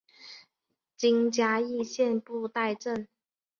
今嘉义县布袋镇。